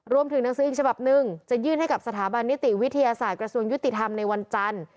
รวมถึงหนังสืออีกฉบับหนึ่งจะยื่นให้กับสถาบันนิติวิทยาศาสตร์กระทรวงยุติธรรมในวันจันทร์